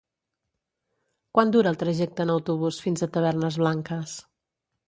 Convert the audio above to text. Quant dura el trajecte en autobús fins a Tavernes Blanques?